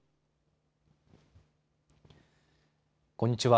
こんにちは。